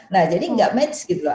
nah jadi nggak match gitu loh